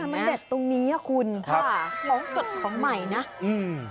มันเด็ดตรงนี้อ่ะคุณค่ะของสดของใหม่นะอืม